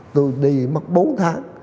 tôi đi mất bốn tháng